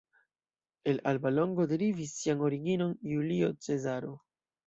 El Alba Longo derivis sian originon Julio Cezaro.